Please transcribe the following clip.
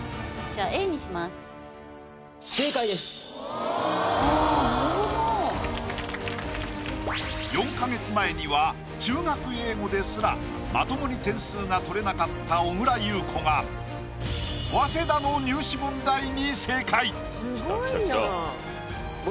あ４か月前には中学英語ですらまともに点数が取れなかった小倉優子が早稲田の入試問題に正解！